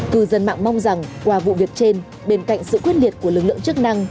cư dân mạng mong rằng qua vụ việc trên bên cạnh sự quyết liệt của lực lượng chức năng